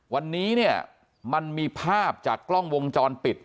วันนี้เนี่ยมันมีภาพจากกล้องวงจรปิด